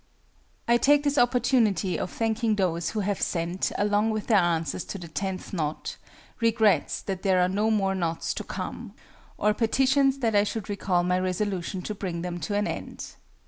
I take this opportunity of thanking those who have sent, along with their answers to the Tenth Knot, regrets that there are no more Knots to come, or petitions that I should recall my resolution to bring them to an end.